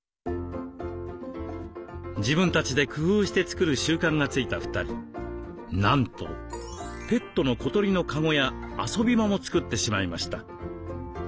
自分たちで工夫して作る習慣がついた２人なんとペットの小鳥のかごや遊び場も作ってしまいました。